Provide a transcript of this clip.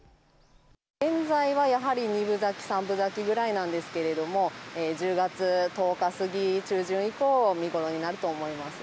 現在はやはり２分咲き、３分咲きぐらいなんですけども、１０月１０日過ぎ、中旬以降、見頃になると思います。